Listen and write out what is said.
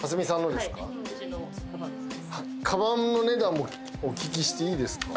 かばんの値段もお聞きしていいですか？